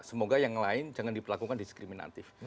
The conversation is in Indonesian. semoga yang lain jangan diperlakukan diskriminatif